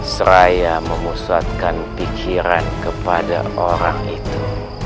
seraya memusatkan pikiran kepada orang itu